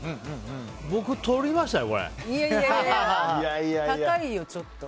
僕、とりましたね